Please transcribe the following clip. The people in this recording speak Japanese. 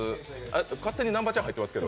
勝手に南波ちゃん入ってますけど。